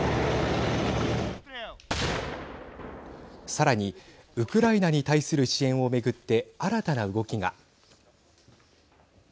さらに、ウクライナに対する支援をめぐって新たな動きが。